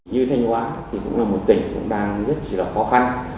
như thanh hóa thì cũng là một tỉnh cũng đang rất chỉ là khó khăn